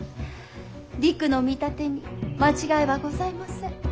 りくの見立てに間違いはございません。